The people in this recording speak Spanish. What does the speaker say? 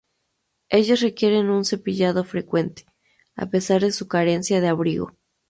Ellos requieren un cepillado frecuente, a pesar de su carencia de abrigo.